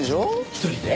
１人で？